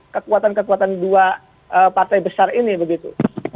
kekuatan kekuatan dua partai besar ini begitu